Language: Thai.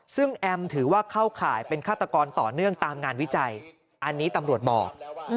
ซึ่งแอมถือว่าเข้าข่ายเป็นฆาตกรต่อเนื่องตามงานวิจัยอันนี้ตำรวจบอก